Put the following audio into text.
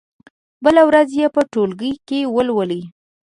بله ورځ يې په ټولګي کې ولولئ.